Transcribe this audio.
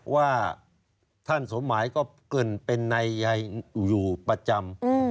ว่าท่านสมหมายก็เกริ่นเป็นนายอยู่ประจำ